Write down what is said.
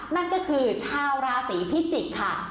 นั่นก็คือชาวราศีพิจิกษ์ค่ะ